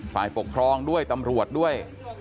ฝ่ายปกครองด้วยตำรวจด้วย